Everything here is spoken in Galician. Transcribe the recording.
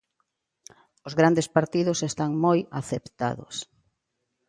"Os grandes partidos están moi aceptados".